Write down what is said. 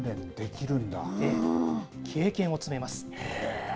経験を積めます。